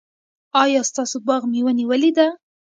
ایا ستاسو باغ مېوه نیولې ده؟